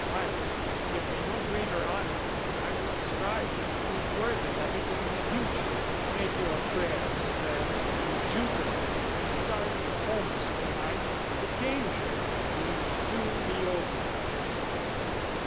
Life can give me no greater honour; I will strive to prove worthy of it in future._ _Make your prayers, then, to Jupiter, and guard your homes to night; the danger will soon be over.